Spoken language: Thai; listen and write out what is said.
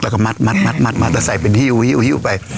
แล้วก็มัดมาแล้วใส่เป็นฮิ้วไป